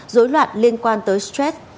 dối loạn liên quan tới stress